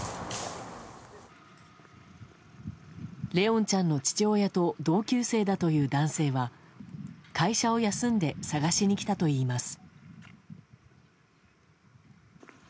怜音ちゃんの父親と同級生だという男性は会社を休んで捜しに来たといいます。